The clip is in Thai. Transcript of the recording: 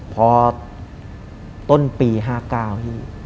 พอต้นปี๕๙พี่